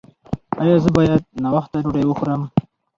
ایا زه باید ناوخته ډوډۍ وخورم؟